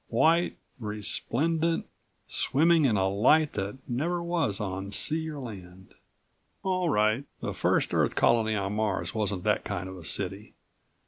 white, resplendent, swimming in a light that never was on sea or land. All right, the first Earth colony on Mars wasn't that kind of a city.